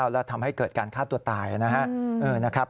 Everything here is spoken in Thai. แล้วทำให้เกิดการฆ่าตัวตายนะครับ